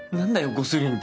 ゴスリンって。